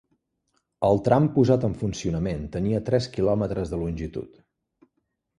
El tram posat en funcionament tenia tres quilòmetres de longitud.